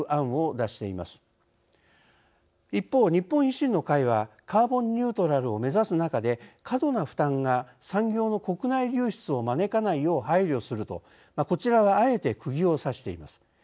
一方日本維新の会は「カーボンニュートラルを目指す中で過度な負担が産業の国外流出を招かないよう配慮する」とこちらはあえてくぎをさしています。